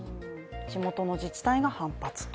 地元の自治体が反発と。